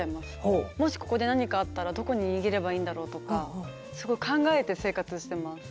もしここで何かあったらどこに逃げればいいんだろうとかすごい考えて生活してます。